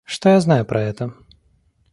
Что я знаю про это?